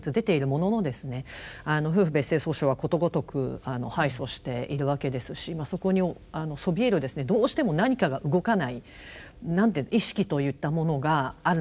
夫婦別姓訴訟はことごとく敗訴しているわけですしそこにそびえるですねどうしても何かが動かないなんて言う意識といったものがあるのかなと。